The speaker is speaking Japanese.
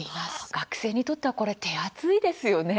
学生にとっては手厚いですよね。